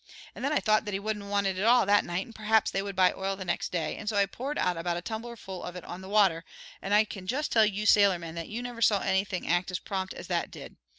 And then I thought that he wouldn't want it all that night, and perhaps they would buy oil the next day, and so I poured out about a tumblerful of it on the water, and I can just tell you sailormen that you never saw anything act as prompt as that did.